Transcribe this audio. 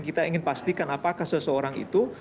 kita ingin pastikan apakah seseorang itu